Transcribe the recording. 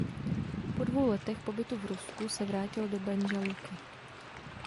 Po dvou letech pobytu v Rusku se vrátil do Banja Luky.